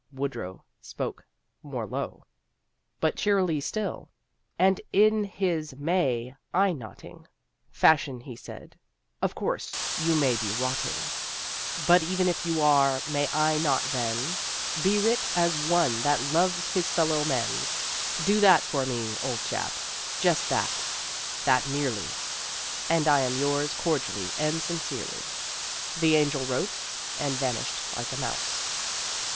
Woodrow spoke more low But cheerly still, and in his May I notting Fashion he said: "Of course you may be rotting, But even if you are, may I not then Be writ as one that loves his fellow men? Do that for me, old chap; just that; that merely And I am yours, cordially and sincerely." The Angel wrote, and vanished like a mouse.